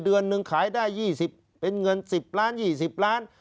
เดือนหนึ่งขายได้๒๐เป็นเงิน๑๐ล้าน๒๐ล้าน